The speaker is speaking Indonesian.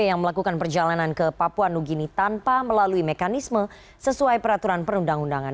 yang melakukan perjalanan ke papua new guinea tanpa melalui mekanisme sesuai peraturan perundang undangan